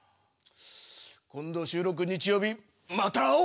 今度収録日曜日また会おう！